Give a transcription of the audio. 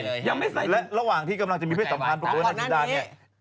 และระหว่างที่กำลังจะมีเพศสัมพันธ์ปรากฏว่านายจัดาเนี่ย